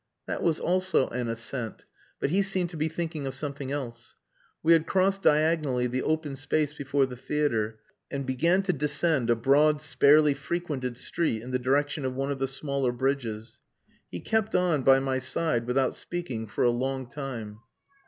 That was also an assent, but he seemed to be thinking of something else. We had crossed diagonally the open space before the theatre, and began to descend a broad, sparely frequented street in the direction of one of the smaller bridges. He kept on by my side without speaking for a long time.